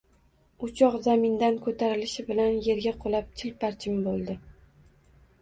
Uchoq zamindan koʻtarilishi bilan yerga qulab chilparchin boʻldi